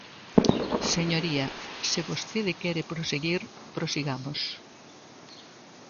Señoría, se vostede quere proseguir, prosigamos.